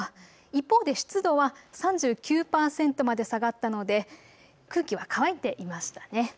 一方で湿度は３９％まで下がったので空気は乾いていましたね。